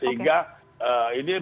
sehingga ini berarti